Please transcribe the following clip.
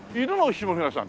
下平さん